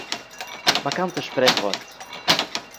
באקאנטע שפריכווארט